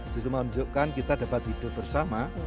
justru menunjukkan kita dapat hidup bersama